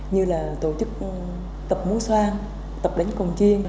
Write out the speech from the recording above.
như là tổ chức tập múa soang tập đánh cồng chiêng